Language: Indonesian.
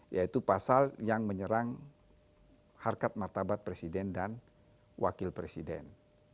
yaitu pasal yang menyerang harkat martabat presiden dan wakil presiden